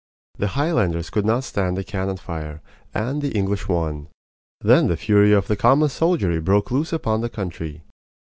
The Highlanders could not stand the cannon fire, and the English won. Then the fury of the common soldiery broke loose upon the country.